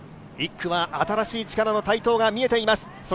１区は新しい力の台頭が見えています。